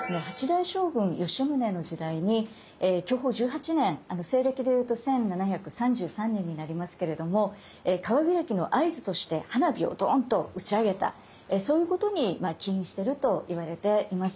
８代将軍吉宗の時代に享保１８年西暦でいうと１７３３年になりますけれども川開きの合図として花火をドーンと打ち上げたそういうことに起因しているといわれています。